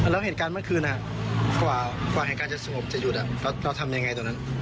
แล้วเหตุการณ์เมื่อคืนกว่าเหตุการณ์จะสงบจะหยุดเราทำยังไงตอนนั้น